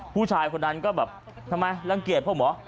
ผู้ชายคนนั้นก็แบบทำไมรังเกียจพ่อหมอ